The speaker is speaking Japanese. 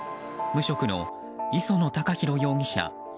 無職の磯野貴博容疑者